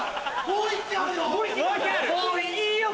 もういいよ